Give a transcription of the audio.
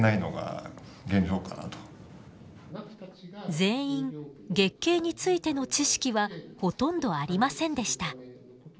全員月経についての知識はほとんどありませんでした。